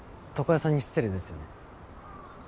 床屋さんに失礼ですよね。